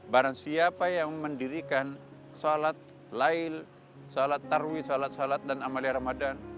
barang siapa yang mendirikan shalat layl shalat tarwi shalat shalat dan amalia ramadan